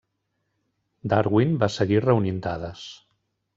Darwin va seguir reunint dades.